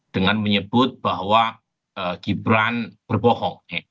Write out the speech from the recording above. dengan menyebut bahwa gibran berbohong